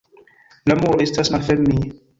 La muro estas malfermij.